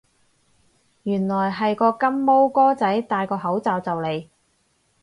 原來係個金毛哥仔戴個口罩就嚟